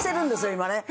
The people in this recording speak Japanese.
今ね。